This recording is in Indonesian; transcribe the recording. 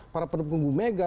para pendukung bu mega